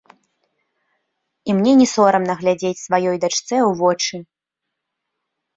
І мне не сорамна глядзець сваёй дачцэ ў вочы.